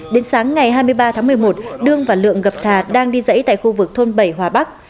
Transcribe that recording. đến sáng ngày hai mươi ba tháng một mươi một đương và lượng gặp trà đang đi dãy tại khu vực thôn bảy hòa bắc